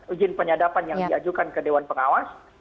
izin penyadapan yang diajukan ke dewan pengawas